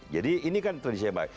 jadi ini kan tradisi yang baik